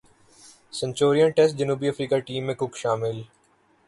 Centurion test جنوبی افریقی team میں کک شامل